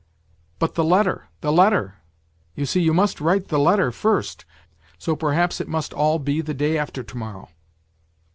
" But the letter, the letter ! You see, you must write the letter first ! So perhaps it must all be the day after to morrow."